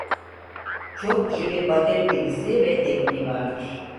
Çok iyi bir bateri bilgisi ve tekniği vardır.